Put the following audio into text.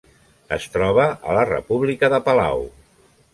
Es troba a la República de Palau.